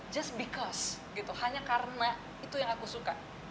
just because gitu hanya karena itu yang aku suka